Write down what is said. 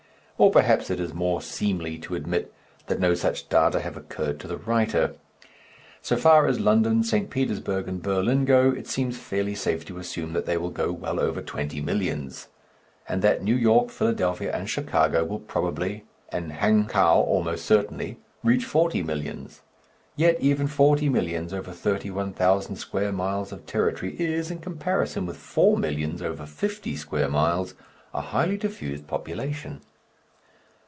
Or perhaps it is more seemly to admit that no such data have occurred to the writer. So far as London, St. Petersburg, and Berlin go, it seems fairly safe to assume that they will go well over twenty millions; and that New York, Philadelphia, and Chicago will probably, and Hankow almost certainly, reach forty millions. Yet even forty millions over thirty one thousand square miles of territory is, in comparison with four millions over fifty square miles, a highly diffused population.